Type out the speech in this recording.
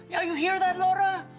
ya kamu dengar itu lora